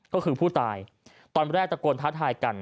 ก็คือผู้ตายตอนแรกตะโกนท้าทายกัน